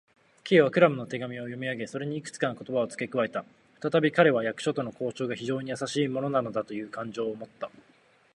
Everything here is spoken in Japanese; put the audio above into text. Ｋ はクラムの手紙を読みあげ、それにいくつかの言葉をつけ加えた。ふたたび彼は、役所との交渉が非常にやさしいものなのだという感情をもった。